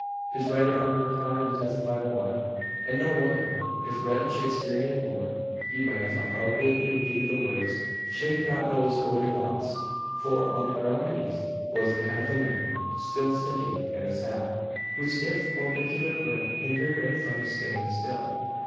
His rider uttered a cry of intensified alarm. And no wonder. If read in Shakespearean lore, he might have appropriately repeated the words "Shake not those gory locks": for, on the ground beneath, was the head of a man still sticking in its hat whose stiff orbicular brim hindered it from staying still.